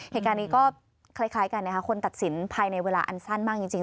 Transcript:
เหตุการณ์นี้ก็คล้ายกันนะคะคนตัดสินภายในเวลาอันสั้นมากจริง